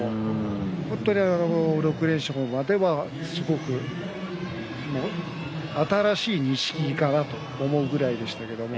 本当に６連勝までは新しい錦木かなと思うぐらいでした。